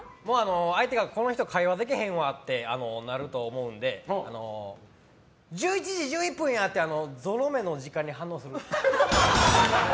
相手がこの人会話できへんわってなると思うんで１１時１１分や！っていいですね。